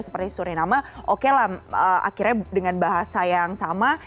seperti suriname oke lah akhirnya dengan bahasa yang sama